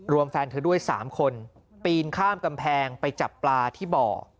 แฟนเธอด้วย๓คนปีนข้ามกำแพงไปจับปลาที่บ่อ